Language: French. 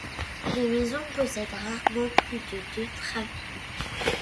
Les maisons possèdent rarement plus de deux travées.